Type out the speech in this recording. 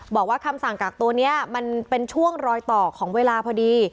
คำสั่งกักตัวนี้มันเป็นช่วงรอยต่อของเวลาพอดี